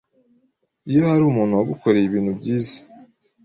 iyo hari umuntu wagukoreye ibintu byiza,